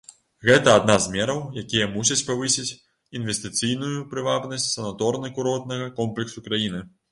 Гэта адна з мераў, якія мусяць павысіць інвестыцыйную прывабнасць санаторна-курортнага комплексу краіны.